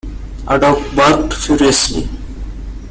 A dog barked furiously.